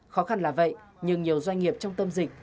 khó khăn là vậy nhưng nhiều doanh nghiệp trong tâm dịch